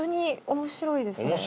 面白いですよ。